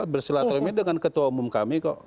bersilat remit dengan ketua umum kami kok